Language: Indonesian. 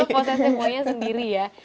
potensi maunya sendiri ya